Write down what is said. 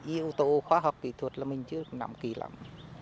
yếu tố khoa học kỹ thuật là mình chưa nắm kỹ lắm